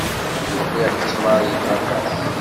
Ufiɣ ttmeṛ yelha aṭas.